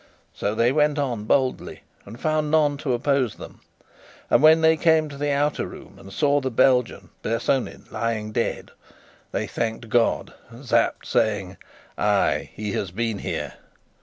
So they went on boldly, and found none to oppose them. And when they came to the outer room and saw the Belgian, Bersonin, lying dead, they thanked God, Sapt saying: "Ay, he has been here."